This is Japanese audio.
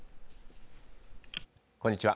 こんにちは。